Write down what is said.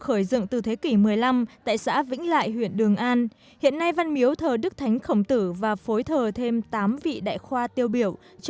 không gian yên tĩnh con người thân thiện